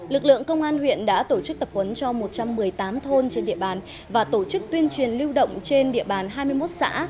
lực lượng công an huyện đã tổ chức tập huấn cho một trăm một mươi tám thôn trên địa bàn và tổ chức tuyên truyền lưu động trên địa bàn hai mươi một xã